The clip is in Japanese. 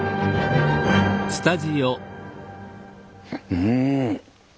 うん。